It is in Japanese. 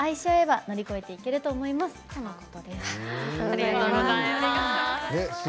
ありがとうございます。